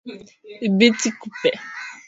Dhibiti kupe